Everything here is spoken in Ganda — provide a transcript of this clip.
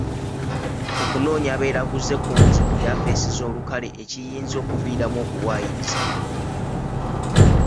Okunoonya abeeraguze kungi mu yafeesi z'olukale ekiyinza okuviiramu okuwayiriza.